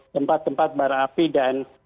tempat tempat bara api dan